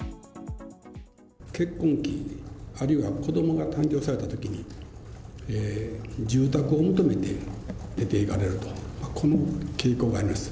結婚期、あるいは子どもが誕生されたときに、住宅を求めて出ていかれると、この傾向があります。